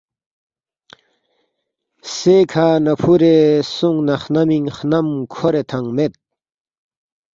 سیکہ نہ فُورے سونگنہ خنمینگ خنم کھورے تھنگ مید